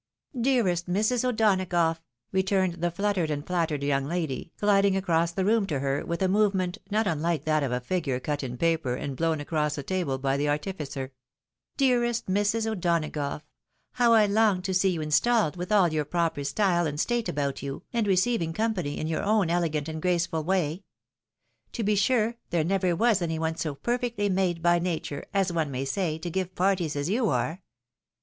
"Dearest Mrs. O'Donagough !" returned the fluttered and flattered young lady, ghding across the room to her, with a movement not unlike that of a figure cut in paper and blown across a table by the artificer, —" dearest Mrs. O'Donagough, how I long to see you installed with all your proper style and state about you, and receiving company in your own elegant and graceful way. To be sure there never was any one so per fectly made by nature, as one may say, to give parties as you are.